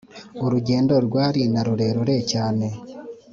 urugendo rwari narurerure cyane.